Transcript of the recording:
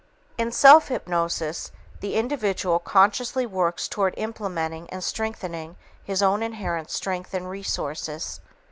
In self hypnosis, the individual consciously works toward implementing and strengthening his own inherent strength and resources.